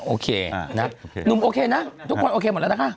โอเคนะหนุ่มโอเคนะทุกคนโอเคหมดแล้วนะคะ